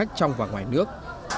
các khách trong và ngoài nước